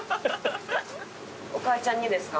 お母ちゃん似ですか？